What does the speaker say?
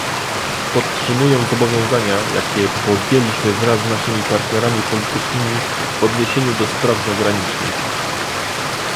Podtrzymuję zobowiązania, jakie podjęliśmy wraz z naszymi partnerami politycznymi w odniesieniu do spraw zagranicznych